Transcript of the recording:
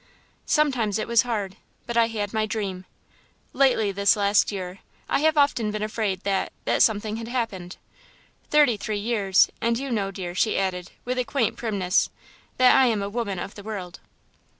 Sometimes it was hard, but I had my dream. Lately, this last year, I have often been afraid that that something had happened. Thirty three years, and you know, dear," she added, with a quaint primness, "that I am a woman of the world."